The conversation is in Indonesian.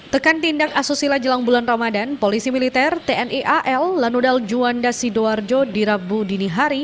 tekan tindak asusila jelang bulan ramadan polisi militer tni al lanudal juanda sidoarjo di rabu dini hari